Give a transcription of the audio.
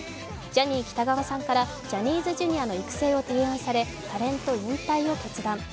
ジャニー喜多川さんからジャニーズＪｒ．の育成を提案されタレント引退を決断。